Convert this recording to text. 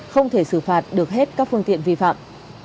không thể xử phạt được hết các phương tiện vi phạm